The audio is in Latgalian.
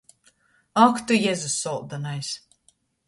Ak tu Jezus soldonais!